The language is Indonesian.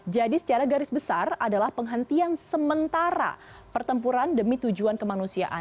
jadi secara garis besar adalah penghentian sementara pertempuran demi tujuan kemanusiaan